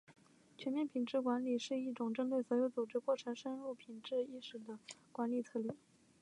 全面品质管理是一种针对所有组织过程中深入品质意识的管理策略。